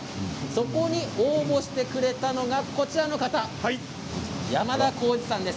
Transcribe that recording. そこに応募してくれたのがこちらの方山田さんです。